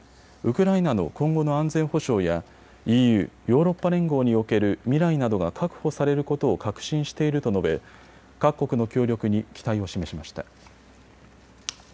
ウクライナの今後の安全保障やＥＵ・ヨーロッパ連合における未来などが確保されることを確信していると述べ各国の協力に期待を示しました。